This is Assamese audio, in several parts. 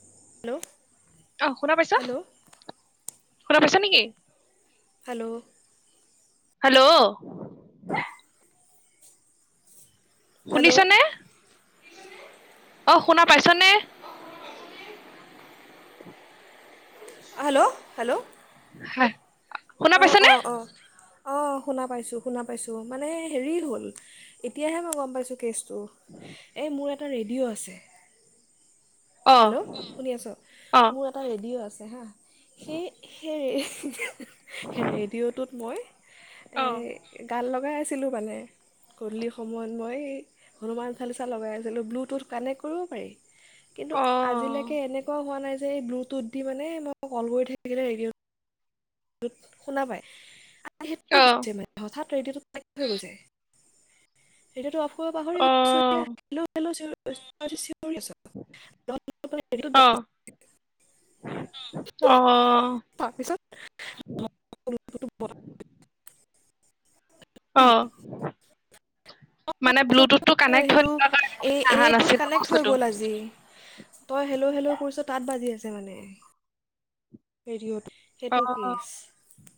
হেল্ল'। অঁ শুনা পাইছা? হেল্ল' কিবা কৈছা নেকি? হেল্ল' হেল্ল' হেল্ল' শুনিছানে? অ শুনা পাইছানে? অ' হেল্ল'। হেল্ল'। হয়। অহ। অহ। অহ। অঁ শুনা পাইছোঁ শুনা পাইছোঁ মানে হেৰি হ'ল এতিয়াহে মই গম পাইছোঁ কেছ টো। এই মোৰ এটা এটা ৰেডিঅ' আছে। অ হেল্ল' শুনি আছ? অ মোৰ এটা ৰেডিঅ' আছে। হা। সেই -সেইৰে ৰেডিঅ'টোত মই এ অ গান লগ লগাই আছিলোঁ মানে গধূলি সময়ত মই এই হনুমান চালিচা লগাই আছিলোঁ। ব্লুটুথ কানেক্ট কৰিব পাৰি। কিন্তু অ আজিলৈকে এনেকুৱাও হোৱা নাই যে ব্লুটুথ দি মানে মই কল কৰি থাকিলে হেৰি ত শুনা পায় ত অ সেই হৈছে মানে হঠাৎ! [unintelligible] ৰেডিঅ'টো অফ পাহৰি অ গৈছো এতিয়া লে অ ব [inaudible] অ [unintelligible] পিছত [inaudible] অ'। মানে ব্লুটুথটো কানেক্ট সেইটো দাৰ কাৰ এই অহা এইটোত নাছিলো কানেক্ট হৈ বস্তুটো? গ'ল আজি তই হেললে' হেল কৰিছ তাত বাজি আছে মানে হেৰিত অ সেইটো কিচ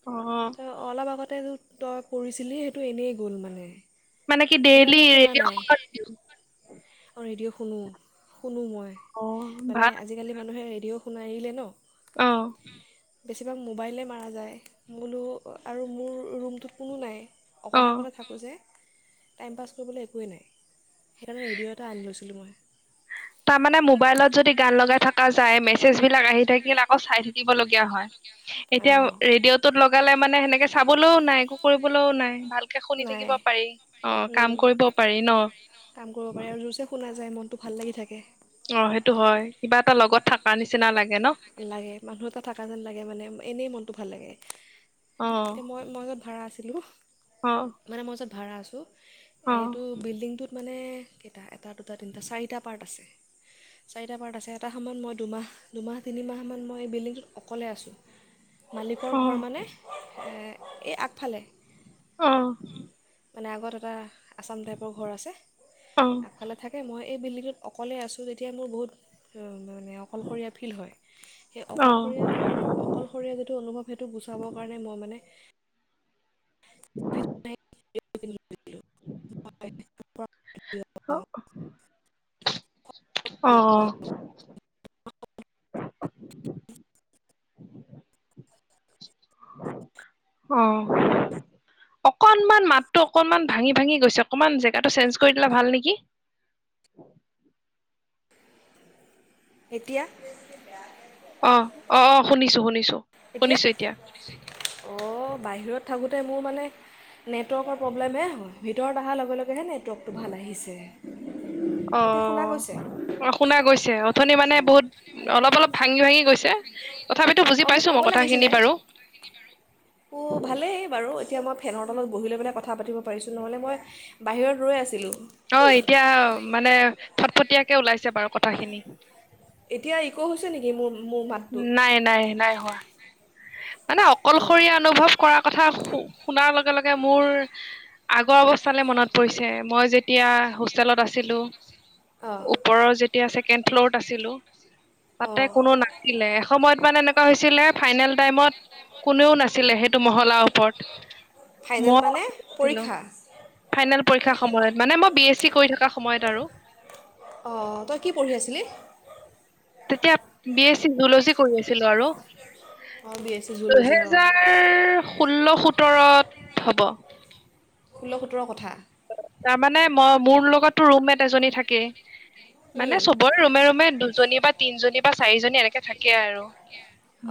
অ ত অলপ আগতে ততে তই কৰিছিলি সেইটো এনেই গ'ল মানে মানে কি ডেইলি সেইকাৰণে শুনা নাই অঁ ৰেডিঅ' শুনো। কুনো মই অ মানে আজিকালি মানুহে ভিডিঅ শুনা এইিলে ন! আহ। বেছিভাগ মোবাইলেই মাৰা যায় মোলৈ আৰু মোৰ ৰুমটোত কোনো নাই। অ অকলে অকলে থাকো যে! টাইম পাছ কৰিবলৈ একোৱেই নাই সেইকাৰণে ৰেডিঅ' এটা আনি লৈছিলোঁ মই তাৰ মানে মোবাইলত যদি গান লগাই থকা চাই মেছেজ বিলাক আহি থাকিল আকৌ চাই থাকিব লগীয়া হয়। এতিয়া ৰেডিঅ'টোত অঁ লগালে মানে সেনেকে চাবলৈও নাই একো কৰিবলৈও নাই ভাল শুনি নাই থাকিব পাৰি অ', উম, কাম কৰিব পাৰি ন! কাম কৰিব পাৰে আৰু জোৰছে শুনা যায় মনটো ভাল লাগি থাকে অ সেইটো হয় কিবা এটা লগত থাক নিচিনা লাগে। ন লাগে মানুহ এটা থাকা যেন লাগে মানে এনেই মনতটো ভাল লাগে। অ এতিয়া মই মই মাজত ভাড়া আছিল অ হেল্ল' মানে মৌচম ভাড়া আছোঁ অ এইটো বিল্ডিংটোত মানে কেইটা এটা দুটা তিনিটা চাৰিটা পাৰ্ট আছে। চাৰিটা পাৰত আছে এটা সময়ত মই দুমাহ দুমাহ তিনি মাহমান মই বিল্ডিংটোত অকলে আছো। মালিকৰ অ ঘৰ মানে? এ। এই আগফালে। অহ। মানে আগত এটা। আছাম টাইপৰ ঘৰ আছে, অ আগফালে থাকে মই। এই বিল্ডিংটোত অকলে আছো, তেতিয়া মোৰ বহুত। মানে, অকলশৰীয়া ফিল হয়। সেই অকলশৰীয়া, অকলশৰীয়া যিটো অনুভৱ সেইটো গুচাবৰ কাৰণে ম মানে। অ। অ অকনমান মাতটো, অকনমান ভাঙি-ভাঙি গৈছে অকমান জেগাটো চেঞ্জ কৰি দিলে ভাল নেকি? এতিয়া? অ, অ, অ, অ শুনিছো-শুনিছো। এতিয়া? অহ বাহিৰত। থাকোতে মোৰ মানে নেটৱৰ্কৰ প্ৰব্লেমে হয়, ভিতৰত অহাৰ লগে লগে। এতিয়াহে নেটৱৰ্কটো ভাল আহিছে। অ, অ, এতিয়া শুনা গৈছে অ শুনা গৈছে, অথনি মানে বহুত অলপ-অলপ ভাঙি -ভাঙি গৈছে তথাপিতো বুজি পাইছো মই কথ লিছিলে, অ ভালেই বাৰু। আৰু এতিয়া মই ফেনৰ তলত বহি লৈ পেলাই কথা পাতিব পাৰিছো, নহ'লে মই বাহিৰত ৰৈ আছিলো। অ', এতিয়া মানে ফট ফটীয়াকে ওলাইছে বাৰু কথাখিনি এতিয়া ইক' হৈছে নেকি মোৰ মোৰ মাতটো নাই, নাই, নাই হোৱা মানে অঁ অকলশৰীয়া অনুভৱ কৰাৰ কথা শু শুনাৰ লগে-লগে মোৰ আগৰ অৱস্থালৈ মনত পৰিছে, মই যেতিয়া হোষ্টেলত আছিলো। অঁ ওপৰৰ যেত তেতিয়া ছেকেণ্ড ফ্ল'ৰত আছিলো। তাতে অঁ কোনো না দিলে এসময়ত মানে এনে হৈছিলে ফাইনেল টাইমত, কোনেও নাছিলে সেইটো মহলাৰ ওপৰত ফাইনেল ম মানে আছিলো পৰীক্ষা ফাইনেল পৰীক্ষাৰ সময়ত মানে মই বি এছ কৰি থকা সময়ত আৰু। অ', তই কি পঢ়ি আছিলি? তেতিয়া বি এছ চি জুলজি কৰি আছিলো আৰু অঁ বি এছ চি জুল'জি অঁ দুহেজাৰ ষোল্ল সোতৰত হ'ব। ষোল সোতৰৰ কথা। তাৰমানানে মই মোৰ লগতো ৰুমমেট এজনী থাকেই মানে অঁ চবৰে ৰুমে ৰুমে দুজনী বা তিনজনী চাৰিজনী এনেকে থাকে আৰু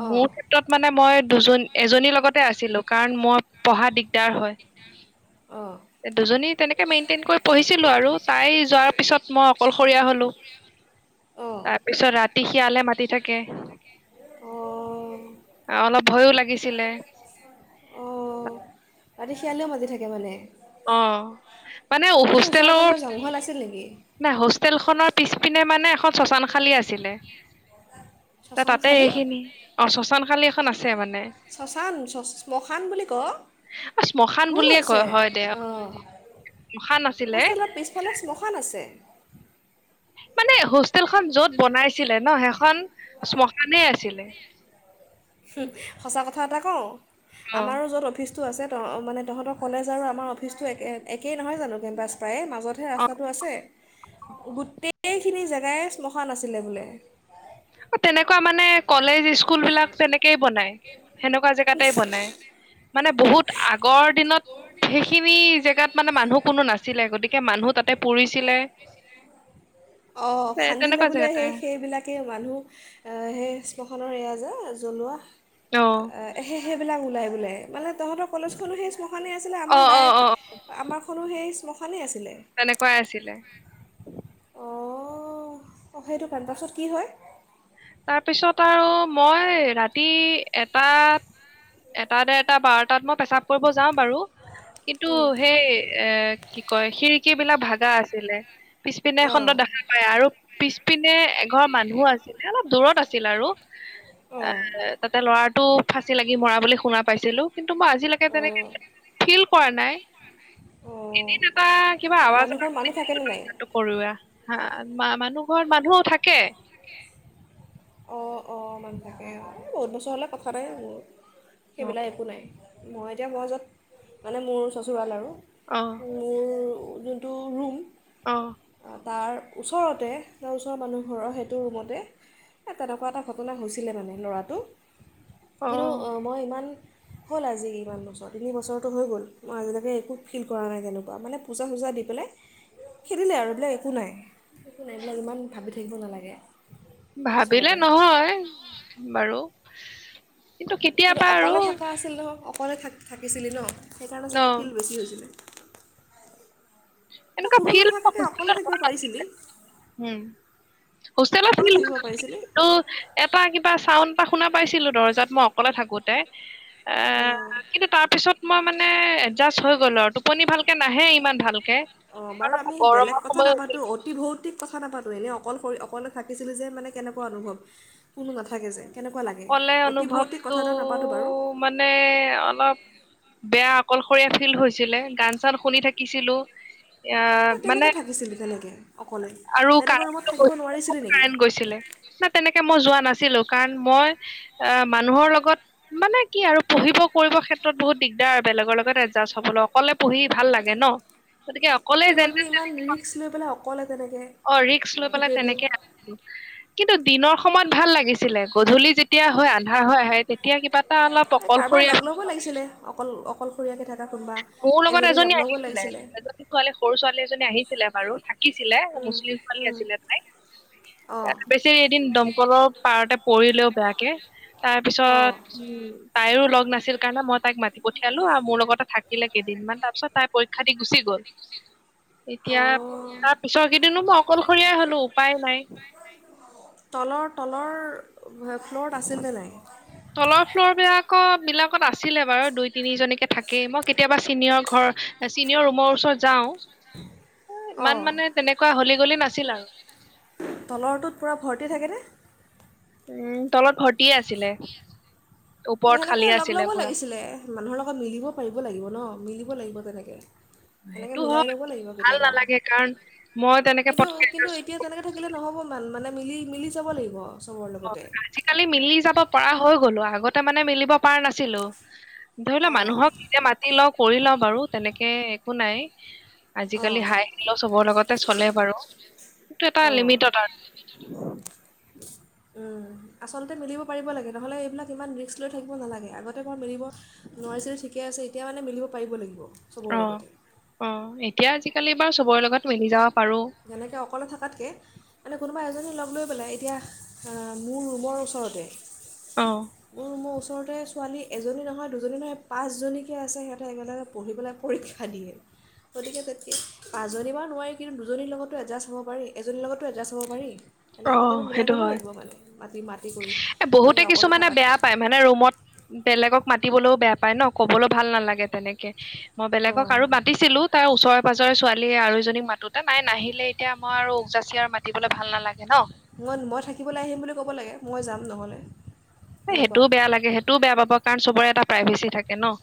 অঁ মোৰ ক্ষেত্ৰত মানে মই দুজন এজনীৰ লগতে আছিলো কাৰণ মই পঢ়া দিগদাৰ হয়। অ, '। দুজনী তেনেকে মেইনটেইন কৰি পঢ়িছিলো আৰু তাই যোৱাৰ পিছত মই অকলশৰীয়া হলো অঁ তাৰপিছত ৰাতি তি শিয়ালে মাতি থাকে অ', অঁ অলপ ভয়ো লাগিছিলে অ', ততি শিয়ালেও মাতি থাকে মানে। অ', মানে কি ওচৰে হোষ্টেলৰ পাঁজৰে জংঘল আছিল নেকি নাই হোষ্টেল খনৰ পিছপিনে মানে এখন শ্মশান খালী আছিলে ত শ্মশান তাতে খালী সেইখিনি অ শশান খালী এখন আছে মানে শ্মশান বুলি ক অ শ্মশান ভুল বুলিয়ে হৈছে কয় হয় দে অ শ্মশান আছিলে হোষ্টেলৰ পিছফালে শ্মশান আছে। মানে তেল খন য'ত বনাইছিলে ন সেই খন শ্মশানে আছিলে। সঁচা কথা এটা কওঁ। অ আমাৰো য'ত অফিচ তো আছে তো তহতৰ কলেজ আৰু আমাৰ অফিচ টোৰ একে একে নহয় জানো কেম্পাচ প্ৰায় মাজ লগতহে ৰাস্তাটো আছে গোটেই সেইখিনি জেগাই শ্মশান আাছিলে বোলে। তেনেকুৱা মানে কলেজ স্কুল বিলাক তেনেক বনাই সেনেকুৱা জেগাতে বনাই মানে বহুত আগৰ দিনত সেইখিনি জেগাত মানে মানুহ কোনো নাছিলে গতিকে মানুহ তাতে পুৰিছিলে। অ, ' এ খান্দিলে তেনেকুৱা বোলে জেগাতে সেই সেইবিলাকেই মানুহ সেই শ্মশানৰ এয়া যে জ্বলোৱা অ অহ [unintelligible] বিলাক ওলাই বোলে মানে তহঁতৰ কলেজখনো সেই শ্মশানহে আছিলে অ আমাৰ অ ডায়েট অ আমাৰ সেখনো সেই শ্মশানে আছে। তেনেকুৱাই আছিলে। অঁহ সেইটো কেন্পাছত কি হয়? তাত তাৰপিছত আৰু মই ৰাতি ৰাতি এটাত এটা ডেট টা বাৰ তাত মই পেচাব কৰিব যাওঁ বাৰু কিন্তু সেই এ কি কয় খিৰিকী বিলাক ভাগ কিবা আছিলে। পিছপিনে খণ্ড অঁ দেখা পায় আৰু। পিছপিনে এঘৰ মানুহ আছিল। অলপ দূৰত আছিল আৰু। অঁ এ তাতে ল'ৰা টো ফাঁচি লাগি মৰা বুলি শুনা পাইছিলো কিন্তু। মই আজিলৈকে তেনেকে অঁ ফিল কৰা নাই। অঁ এদিন এটা কিবা আৱাজ মানুহ এটা ঘৰত মানুহ থাকেনে নাই শুনিছিলো টো কৰোৱা। হা মানুহ ঘৰত মানুহ থাকে। অ-অ ইমান থাকে বহুত বছৰ হ'লে কথা নাই আৰু। অ সেইবিলাক একো নাই। মই এতিয়া মই যত মানে মোৰ চচুৰৰাল আৰু। অহ মোৰ যোনটো ৰুম তাৰ ওচৰতে বা ওচৰৰ মানুহ ঘৰৰ সেইটো ৰুমতে। এই তেনেকুৱা এটা ঘটনা হৈছিলে মানে ল'ৰাটো। কিন্তু অ মই ইমান হ'ল আজি ইমান বছৰ তিনি বছৰৰতো হৈ গ'ল। মই আজিলৈকে একো ফিল কৰা নাই তেনেকুৱা মানে পূজা-চূজা দি পেলাই খেলিলে আৰু এইবিলাক একো নাই একো নাই এইবিলাক ইমান ভাবি থাকিব নালাগে। ভাবিলে আচলতে নহয় বাৰু [inaudible] কিন্তু কেতিয়াবা আৰু অকলে থাকা আছিল নহয়। অকলে থাক থাকিছিলি ন। সেইকাৰণে ন চাগে ফিল বেছি হৈছিলে। তই কোনো ফিল [unintelligible] নাথাকাকৈ অকলে থাকিব পাৰিছিলি হোষ্টেলত অকলে থাকিব পাৰিছিলি এটা কিবা চাউড শুনা পাইছিলো দৰ্জাত মই। অকলে থাকোঁতে। এ অঁ কিন্তু তাৰ পিছত মই মানে। এডজাষ্ট হৈ গ'লো আৰু টোপনি ভালকে নাহে ইমান ভাল। অ বাৰু আমি বেলেগ কথা নাপাতো হৈছিল অতি ভৌতিক কথা নাপাতো এনেই অকল। অকলে থাকিছিলি যে মানে কেনেকুৱা অনুভৱ কোনো নাথাকে যে। কেনেকুৱা লাগে অকলে অতি ভৌতিক অনুভৱটো কথা এটা নাপাতোঁ বাৰু মানে অলপ বেয়া অকলশৰীয়া ফিল হৈছিলে গান চান শুনি থাকি। কিছিলো। এ তই মানে কেনেকৈ থাকিছিলি তেনেকৈ অকলে আৰু বেলেগৰ কাৰেণ্ট ৰুমত থাকিব গৈছিলে নোৱাৰিছিলি নেকি কাৰেণ্ট গৈছিলে না তেনেকে মই যোৱা নাছি। ছিলো কাৰণ মই। এ মানুহৰ লগত মানে কি আৰু পঢ়িব কৰিব ক্ষেত্ৰত বহুত দিগদাৰ বেলেগৰ লগত এডজাষ্ট হবলৈ অকলে পঢ়ি ভাল লাগে নহ। কিন্তু হল বুলি ইমান ৰিক্স লৈ পেলাই অকলে তেনেকে। অ ৰিক্স লৈ পেলাই তেনেকে আৰু। কিন্তু দিনৰ সময়ত ভাল লাগিছিলে গধূলি যেতিয়া হৈ আন্ধাৰ হৈ আহে তেতিয়া কিবা। এটা অলপ এ কাৰোবাৰ অকলশৰীয়া লগ ফিল ল'ব হয়। লাগিছিলে অকল অকলশৰীয়াকে থাকে। মোৰ লগত এজনী আহিছিলে এজনী ছোৱালী সৰু ছোৱালী এজনী আহিছিলে বাৰু থাকিছিলে উম, মুছলিম ছোৱালী উম, আছিলে তাই এ অঁ বেচেৰী এদিন দমকলৰ পাৰতে পৰিলেও। বেয়াকে। তাৰ অঁ পিছত উম তাইো লগ নাছিল কাৰণে মই তাইক মাতি প। পঠিয়ালো আৰু মোৰ লগতে থাক। থাকিলে কেইদিনমান তাৰ পিছত তাই পৰীক্ষা দি গুচি গ'ল। এতিয়া অঁ তাৰ পিছৰ কেইদিনো মই অকলশৰীয়াই হ'লো উপায় নাই। তলৰ তলৰ। ফ্ল'ৰত আছিল নে নাই তলৰ ফ্লৰ বিলাকত বিলাক। আছিলে বাৰু দুই তিনিজনীকে থাকে মই কেতিয়াবা। চিনিয়ৰ ঘৰ চিনিয়ৰ ৰুমৰ। ৰত যাওঁ। অঁ ইমান মানে তেনেকুৱা হ'লি। গলে নাছিলা। তলৰটোত পূৰা ভৰ্তি থাকেনে। উম তলত ভৰ্তিয়ে আছিলে। ওপৰত সেনেকে খালী লগ আছিলে লব পুৰা লাগিছিলে মানুহৰ লগত মিলিব পাৰিব লাগিব ন মিলি। লাগিব তেনেকে। সেনেকে সেইটো মিলাই হয় ল'ব লাগিব ভাল কেতিয়াবা নালাগে কাৰণ মই তেনেকে কিন্তু পটকে কিন্তু এতিয়া তেনেকে থাকিলে নহ'ব মানে। মিলি, মিলি যাব লাগিব। চবৰ অ লগতে আজিকালি মিলি যাব পৰা হৈ গ'লো, আগত মানে মিলিব পাৰা নাছিলো। ধৰি লোৱা অঁ মানুহক নিজে মাতি লওঁ, কৰি লওঁ বাৰু তেনেকে শু নাই অঁ আজিকালি হাই খেল চবৰ লগতে চলে বাৰু কিন্তু এটা অঁ লিমিটত [inaudible] আচলতে মিলিব পাৰিব লাগে, নহ'লে এইবিলাক ইমান ৰিক্সক লৈ থাকিব নালাগে, আগতে বই মিলিব নোৱাৰিছিলোঁ ঠিকে আছে, এতিয়া মানে মিলিব পাৰিব লাগিব। চবৰে অ লগতে অ এতিয়া আজিকালি বাৰ চবৰে লগত [inaudible] যেনেকে অকলে থকাতকে, মানে কোনোবা এজনী লগ লৈ পেলাই, এতিয়া মোৰ ৰুমৰ ওচৰতে। অ ম মচ ওচৰতে ছোৱালী এজনী নহয়, দুজনী নহয়, পাঁচজনীকে আছে সিহঁতে একেলগে পঢ়িবেলৈ পৰীক্ষা দিয়ে, গতিকে তেতি পাঁচজনী বা নোৱাৰি কিন্তু দুজনীৰ লগততো এডজাষ্ট হ'ব পাৰি, এজনীৰ লগততো এডজাষ্ট হ'ব পাৰি। অ এনেকৈ কেতিয়াবা মিলাই সেইটো ল'ব হয়, লাগিব মানে মাতি মাতি কৰি এ বহুতে এনেকৈ অকলে কিছুমানে থকাতকৈ বেয়া পায়, মানে ৰুমত বেলেগক মাতিবলেও বেয়া পায় ন। ক'বলৈ ভাল নালাগে তেনেকে মই বেলেগক অঁ আৰু মাতিছিলো তাৰ ওচৰে-পাজৰে ছোৱালী আৰু এজ মাতোতে নাই নাহিলে, এতিয়া মই আৰু উগ যাচি আৰু মাতিবলে ভাল নালাগে ন মই, মই, থাকিবলৈ আহিম বুলি ক'ব লাগে, মই যাম নহ'লে। সেইটোও এনেকুৱা বেয়া লাগে, সেইটোও বেয়া পাব কাৰণ চবৰে এটা প্ৰাইভেচি থাকে ন।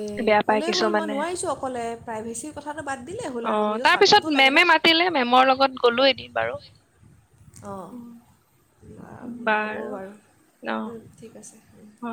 এই বেয়া পায় ক'লেই হ'ল মই কিছুমানে নোৱাৰিছোঁ অকলে প্ৰাইভেচিৰ কথাটো বাদ দিলেই অ হ'ল আৰু নিজৰ তাৰ পিছত স্বাৰ্থটো লাগে মেমে মাতিলে মেমৰ লগত গ'লো এদিন ন। বাৰু অঁ। উম, আ হ'ব বাৰু, অ উম ঠিক আছে। অ